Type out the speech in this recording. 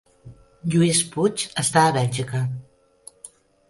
Lluís Puig està a Bèlgica